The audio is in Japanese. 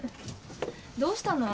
どうしたの？